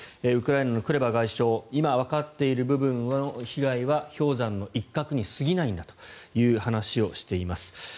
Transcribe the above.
ウクライナのクレバ外相今わかっている部分の被害は氷山の一角に過ぎないんだという話をしています。